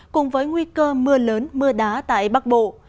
cùng với nguy cơ mưa lớn mưa đá tại bắc bộ